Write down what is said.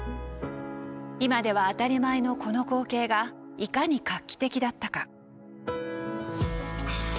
今では当たり前のこの光景がいかに画期的だったか。